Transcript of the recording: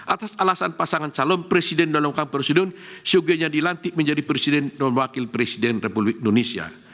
atas alasan pasangan calon presiden dan wakil presiden syugenya dilantik menjadi presiden dan wakil presiden republik indonesia